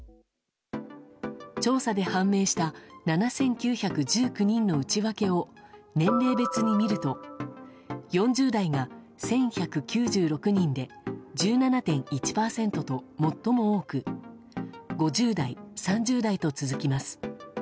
調査で判明した７９１９人の内訳を年齢別に見ると４０代が１１９６人で１７．１％と最も多く５０代、３０代と続きます。